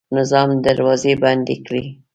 نظام دروازې بندې کړې.